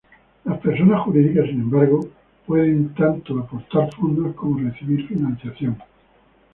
Las personas jurídicas, sin embargo, pueden tanto aportar fondos como recibir financiación.